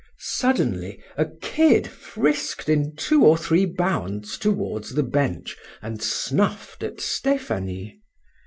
Suddenly a kid frisked in two or three bounds towards the bench and snuffed at Stephanie.